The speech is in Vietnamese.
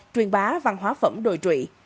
truyền bá văn hóa phẩm đồi trụy